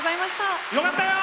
よかったよ！